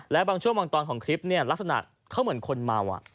และบางช่วงบางตอนของคลิปเนี่ยลักษณะเขาเหมือนคนเมา